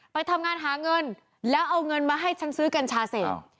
ไปทำงานหาเงินแล้วเอาเงินมาให้ฉันซื้อกัญชาเสพ